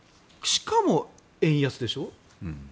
しかも、円安でしょ。